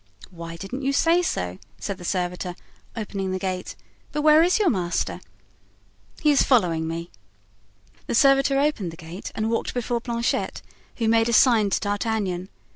"Why didn't you say so?" said the servitor, opening the gate. "But where is your master?" "He is following me." The servitor opened the gate and walked before Planchet, who made a sign to D'Artagnan.